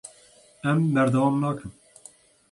Em berdewam nakin.